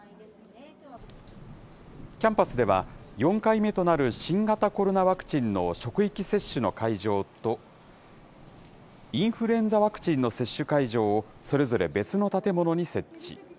キャンパスでは、４回目となる新型コロナワクチンの職域接種の会場と、インフルエンザワクチンの接種会場をそれぞれ別の建物に設置。